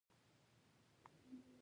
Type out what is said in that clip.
وای فای بې سیمه اړیکه جوړوي.